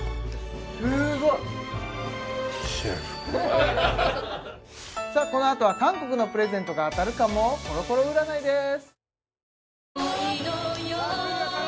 すごいこのあとは韓国のプレゼントが当たるかもコロコロ占いです